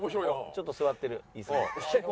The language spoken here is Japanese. ちょっと座ってる椅子に。